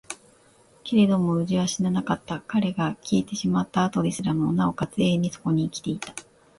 けれども蛸は死ななかった。彼が消えてしまった後ですらも、尚且つ永遠にそこに生きていた。